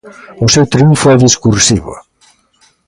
O seu triunfo é discursivo.